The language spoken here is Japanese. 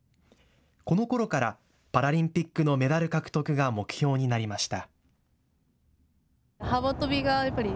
このころからパラリンピックのメダル獲得が目標になりました。